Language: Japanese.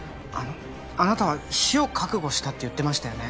あなたは死を覚悟したって言ってましたよね？